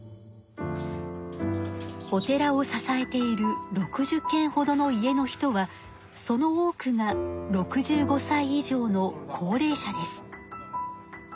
お寺を支えている６０けんほどの家の人はその多くが６５歳以上の高齢者です。